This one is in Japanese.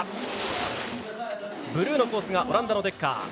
ブルーのコースがオランダのデッカー。